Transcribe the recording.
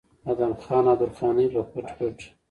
ادم خان او درخانۍ به پټ پټ